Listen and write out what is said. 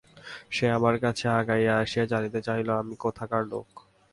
সে আমার কাছে আগাইয়া আসিয়া জানিতে চাহিল, আমি কোথাকার লোক।